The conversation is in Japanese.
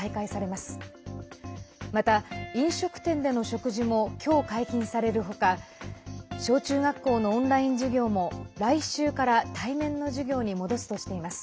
また、飲食店での食事もきょう、解禁されるほか小中学校のオンライン授業も来週から対面の授業に戻すとしています。